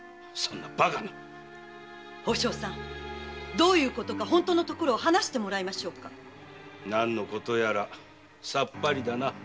そんなバカなどういうことか本当のところを話してもらいましょうか何のことやらサッパリだな。